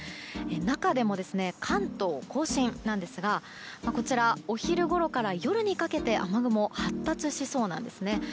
中でも、関東・甲信なんですがこちら、お昼ごろから夜にかけて雨雲が発達しそうなんですね。